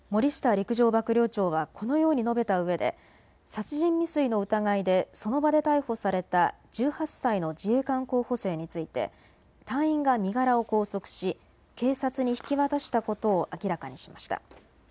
陸上幕僚長はこのように述べたうえで殺人未遂の疑いでその場で逮捕された１８歳の自衛官候補生について隊員が身柄を拘束し警察に引き渡したことを明らかにしました。